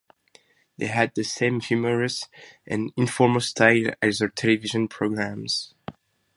They had the same humorous and informal style as her television programmes.